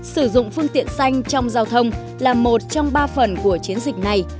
sử dụng phương tiện xanh trong giao thông là một trong ba phần của chiến dịch này